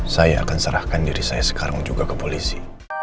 saya akan serahkan diri saya sekarang juga ke polisi